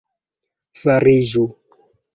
fariĝu